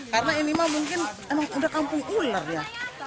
karena ini mah mungkin udah kampung ular ya